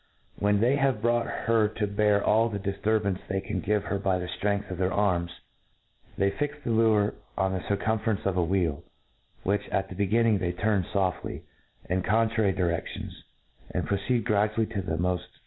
When they hav<5 brought her to bear all the difturbance they can give her by .the ftrength of their arms,. they fij^ the liire on the circumference of a vheel, which at the beginnipg they turn foftly, in contrary di j; redions, and proceed gradually to the mpft fud?